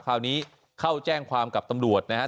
คราวนี้เข้าแจ้งความกับตำรวจนะครับ